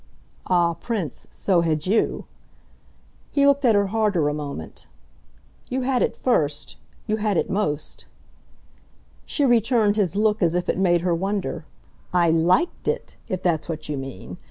"Ah, Prince, so had you!" He looked at her harder a moment. "You had it first. You had it most." She returned his look as if it had made her wonder. "I LIKED it, if that's what you mean.